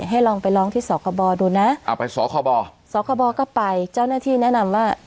ให้ลองไปร้องที่สคบดูนะเอาไปสคบสคบก็ไปเจ้าหน้าที่แนะนำว่า